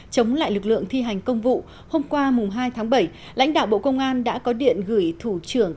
chống lại lực lượng thi hành công vụ hôm qua hai tháng bảy lãnh đạo bộ công an đã có điện gửi thủ trưởng